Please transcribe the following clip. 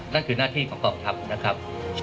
นั่นคือหน้าที่ของกองทัพนะครับ